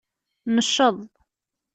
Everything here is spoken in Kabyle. Necceḍ.